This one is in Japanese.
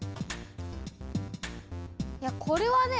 いやこれはね